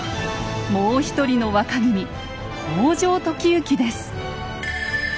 もう一人の若君北条時行です。